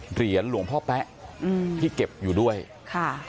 เหรียญหลวงพ่อแป๊ะอืมที่เก็บอยู่ด้วยค่ะ